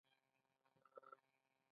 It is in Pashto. د دربار وخت را ورسېدی.